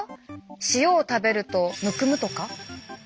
塩を食べるとむくむとか？